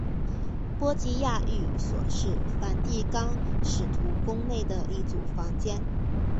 波吉亚寓所是梵蒂冈使徒宫内的一组房间。